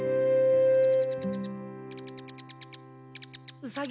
ウサギ